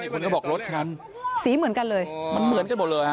คนก็บอกรถฉันสีเหมือนกันเลยมันเหมือนกันหมดเลยฮะ